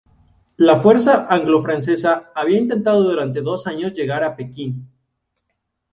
La fuerza anglo-francesa había intentado durante dos años llegar a Pekín.